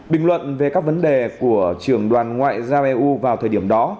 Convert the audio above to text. bình luận về các vấn đề của trưởng đoàn ngoại giao eu vào thời điểm đó